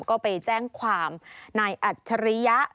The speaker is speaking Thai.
ก็ไปแจ้งความนายอัจฉริยะ